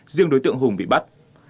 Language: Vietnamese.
riêng đối tượng hùng bị bắt